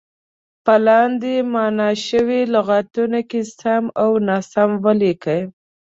په لاندې معنا شوو لغتونو کې سم او ناسم ولیکئ.